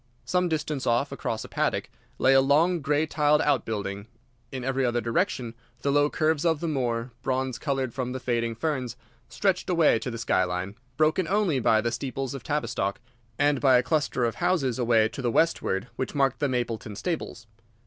Some distance off, across a paddock, lay a long grey tiled out building. In every other direction the low curves of the moor, bronze coloured from the fading ferns, stretched away to the sky line, broken only by the steeples of Tavistock, and by a cluster of houses away to the westward which marked the Mapleton stables.